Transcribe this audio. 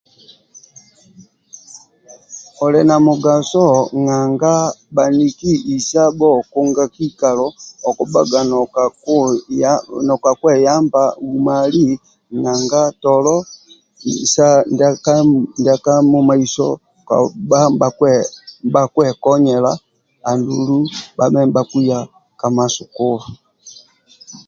Oli na mugaso nanga bhaniki isabho kunga kikalo okubhaga nokakuyamba anga tolo ndia kamumaiso bha nibhakukonyelq andulu bhaye ka masukulu